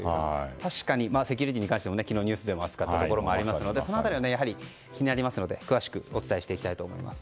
確かにセキュリティーに関しても昨日ニュースで扱ったところもありますのでその辺り気になりますので詳しくお伝えします。